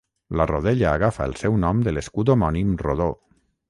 La rodella agafa el seu nom de l'escut homònim rodó.